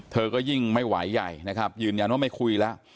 เธอก็ยิ่งไม่ไหวใหญ่นะครับยืนยันว่าไม่คุยแล้ว